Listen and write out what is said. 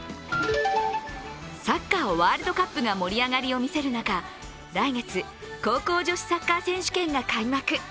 サッカーワールドカップが盛り上がりを見せる中、来月、高校女子サッカー選手権が開幕。